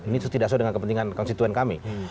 ini tidak sesuai dengan kepentingan konstituen kami